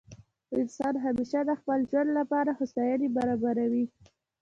انسان همېشه د خپل ژوند له پاره هوسایني برابروي.